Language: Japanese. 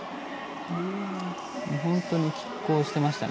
本当にきっ抗してましたね